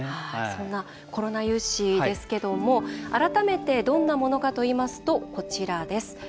そんなコロナ融資ですけども改めてどんなものかといいますとこちらです。